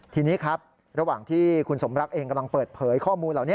ทีนี้ครับระหว่างที่คุณสมรักเองกำลังเปิดเผยข้อมูลเหล่านี้